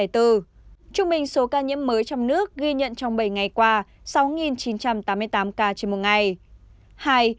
trung bình số ca nhiễm mới trong nước ghi nhận trong bảy ngày qua sáu chín trăm tám mươi tám ca trên một ngày